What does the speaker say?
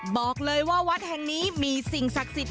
บอกเลยว่าวัดแห่งนี้มีสิ่งศักดิ์สิทธิ